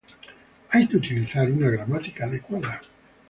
hay que utilizar una gramática adecuada